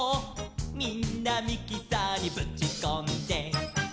「みんなミキサーにぶちこんで」